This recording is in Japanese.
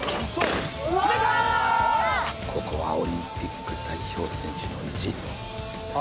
ここはオリンピック代表選手の意地。